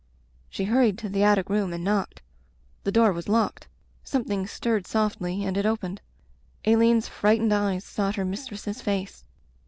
She hurried to the attic room and knocked. The door was locked. Something stirred softly and it opened. Aileen's frightened eyes sought her mistress's face.